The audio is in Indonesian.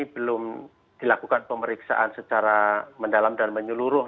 belum dilakukan pemeriksaan secara mendalam dan menyeluruh